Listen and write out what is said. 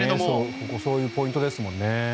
ここそういうポイントですもんね。